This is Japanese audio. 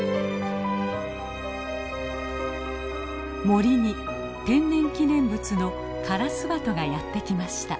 森に天然記念物のカラスバトがやって来ました。